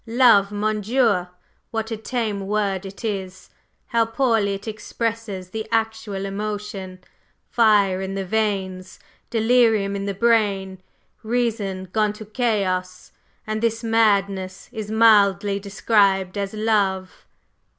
Love! mon Dieu! what a tame word it is! How poorly it expresses the actual emotion! Fire in the veins delirium in the brain reason gone to chaos! And this madness is mildly described as 'love?